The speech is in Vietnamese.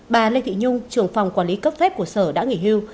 bà lê thị nhung trưởng phòng quản lý cấp phép của sở đã nghỉ hưu